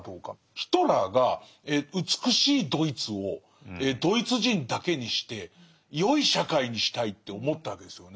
ヒトラーが美しいドイツをドイツ人だけにしてよい社会にしたいって思ったわけですよね。